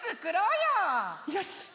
よし！